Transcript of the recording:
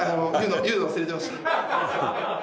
言うの忘れてました。